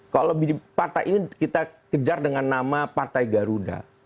kalau partai ini kita kejar dengan nama partai garuda